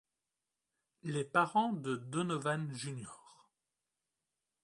Les parents de Donovan jr.